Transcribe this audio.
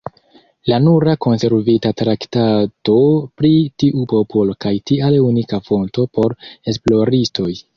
La nura konservita traktato pri tiu popolo kaj tial unika fonto por esploristoj.